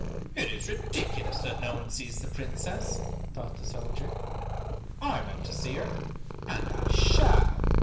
"It is ridiculous that no one sees the Princess," thought the soldier. "I want to see her, and I shall."